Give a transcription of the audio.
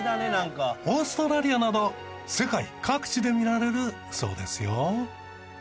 オーストラリアなど世界各地で見られるそうですよ。